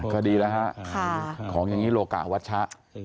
ก็ดีแล้วฮะของอย่างนี้โลกะวัชชะ